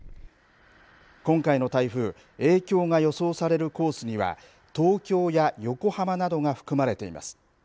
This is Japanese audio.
今回の台風影響が予想されるコースには東京や横浜などが含まれています。